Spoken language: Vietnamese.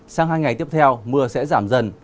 sang hai ngày tiếp theo mưa sẽ giảm dần